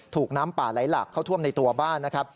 น้ำป่าไหลหลากเข้าท่วมในตัวบ้านนะครับ